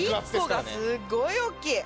１個がすごいおっきい。